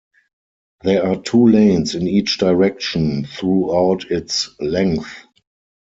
There are two lanes in each direction throughout its length.